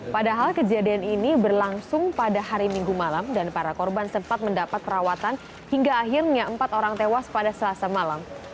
padahal kejadian ini berlangsung pada hari minggu malam dan para korban sempat mendapat perawatan hingga akhirnya empat orang tewas pada selasa malam